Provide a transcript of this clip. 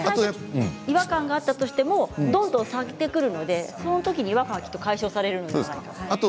違和感があったとしてもどんどん咲いてくるのでその時にきっと違和感が解消されるんじゃないかと。